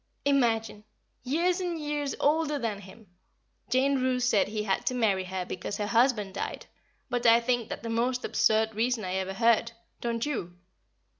_ Imagine! years and years older than him! Jane Roose said he had to marry her because her husband died; but I think that the most absurd reason I ever heard, don't you?